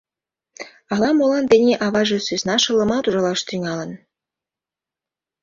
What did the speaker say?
Ала-молан тений аваже сӧсна шылымат ужалаш тӱҥалын.